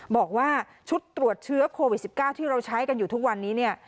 บอกว่าชุดตรวจเชื้อโควิด๑๙ที่เราใช้กันอยู่ทุกวันนี้เนี่ย